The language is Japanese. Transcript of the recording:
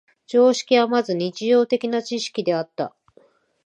常識はまず日常的な知識であった。